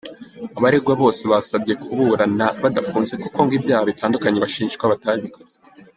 Abaregwa bose basabye kuburana badafunze kuko ngo ibyaha bitandukanye bashinjwa batabikoze.